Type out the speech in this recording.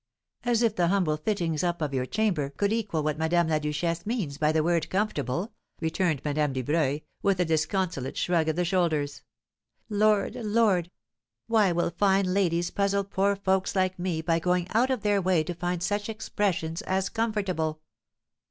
as if the humble fittings up of your chamber could equal what Madame la Duchesse means by the word 'comfortable,'" returned Madame Dubreuil, with a disconsolate shrug of the shoulders. "Lord! Lord! why will fine ladies puzzle poor folks like me by going out of their way to find such expressions as comfortable?"